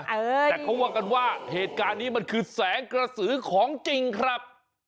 แต่เขาว่ากันว่าเหตุการณ์นี้มันคือแสงกระสือของจริงครับ